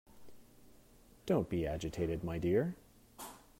Don't be agitated, my dear.